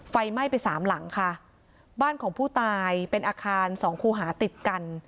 ไฟไหม้ไปสามหลังค่ะบ้านของผู้ตายเป็นอาคารสองคู่หาติดกัน